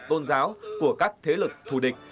tôn giáo của các thế lực thù địch